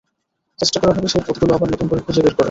চেষ্টা করা হবে সেই পথগুলো আবার নতুন করে খুঁজে বের করার।